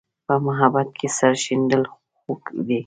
په محبت کې سر شیندل خوږ دي.